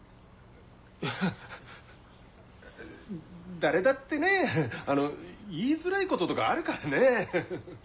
誰だってねあの言いづらいこととかあるからねぇ。